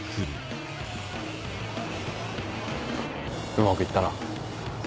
うまくいったな。